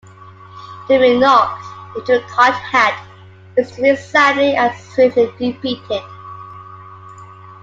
To be knocked into a cocked hat is to be soundly and swiftly defeated.